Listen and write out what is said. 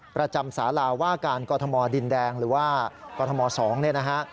ประจำสารว่าการกรทมดินแดงหรือว่ากรทม๒นี่นะฮะ